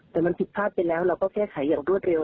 แต่มันผิดพลาดไปแล้วเราก็แก้ไขอย่างรวดเร็ว